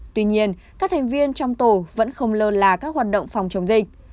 tuy nhiên các thành viên trong tổ vẫn không lơ là các hoạt động phòng chống dịch